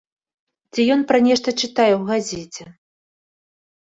Ці ён пра нешта чытае ў газеце.